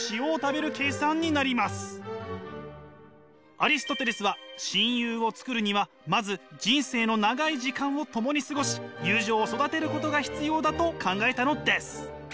アリストテレスは親友を作るにはまず人生の長い時間を共に過ごし友情を育てることが必要だと考えたのです。